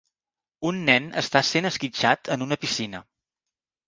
Un nen està sent esquitxat en una piscina